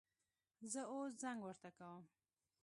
زه اوس زنګ ورته کوم